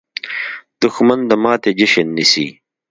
دښمن د ماتې جشن نیسي